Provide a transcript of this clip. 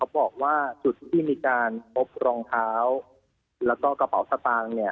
บอกว่าจุดที่มีการพบรองเท้าแล้วก็กระเป๋าสตางค์